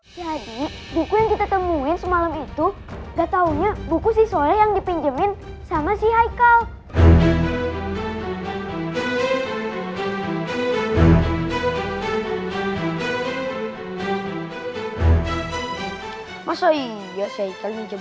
jadi buku yang ditemuin semalam itu gak taunya buku siswa yang dipinjemin sama si haikal